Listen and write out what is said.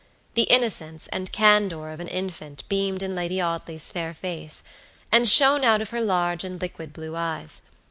The innocence and candor of an infant beamed in Lady Audley's fair face, and shone out of her large and liquid blue eyes.